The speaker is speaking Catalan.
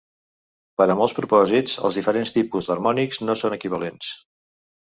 Per a molts propòsits els diferents tipus d'harmònics no són equivalents.